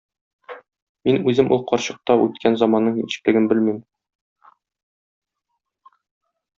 Мин үзем ул карчыкта үткән заманның ничеклеген белмим.